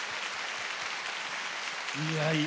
いや、いい。